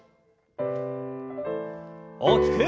大きく。